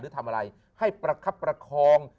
หรือทำอะไรให้ประคับประคอง